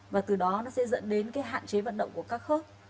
và từ đó nó sẽ dẫn đến cái hạn chế vận động của các khớp